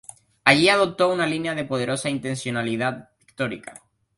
Allí adoptó una línea de poderosa intencionalidad pictórica.